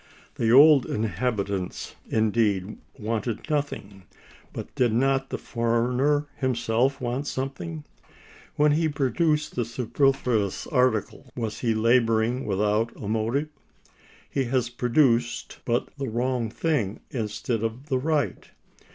The old inhabitants, indeed, wanted nothing; but did not the foreigner himself want something? When he produced the superfluous article, was he laboring without a motive? He has produced—but the wrong thing instead of the right.